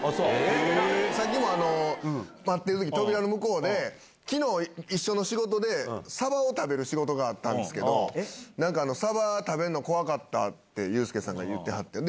さっきも待ってるとき、扉の向こうで、きのう、一緒の仕事で、サバを食べる仕事があったんですけど、なんか、サバ食べるの怖かったって、ユースケさんが言ってはって。